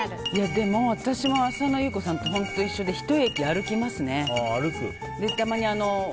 でも、私も浅野ゆう子さんと本当一緒で一駅歩きますね。